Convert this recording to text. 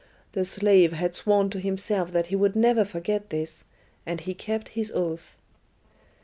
The slave had sworn to himself that he would never forget this, and he kept his oath.